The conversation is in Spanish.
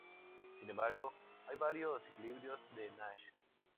Sin embargo, hay varios equilibrios de Nash.